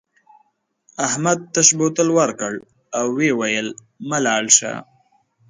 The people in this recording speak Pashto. احمد تش بوتل ورکړ او وویل مه لاړ شه.